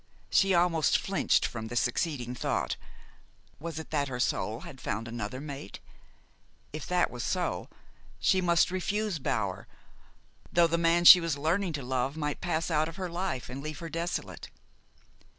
She almost flinched from the succeeding thought, was it that her soul had found another mate? If that was so, she must refuse Bower, though the man she was learning to love might pass out of her life and leave her desolate.